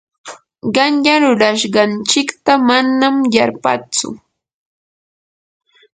qanyan rurashqanchikta manam yarpatsu.